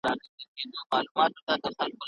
په هغې کې د زحمت او هڅې خوند وي.